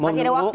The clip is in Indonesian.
masih ada waktu